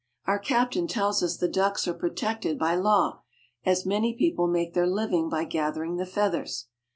Our captain tells us the ducks are protected by law, as many people make their living by gathering the feathers.